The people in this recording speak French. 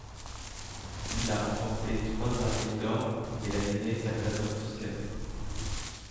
Il a remporté trois Ariels d'Or et la médaille Salvador Toscano.